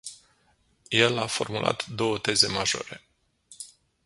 El a formulat două teze majore.